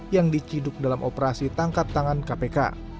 yang diciduk dalam operasi tangkap tangan kpk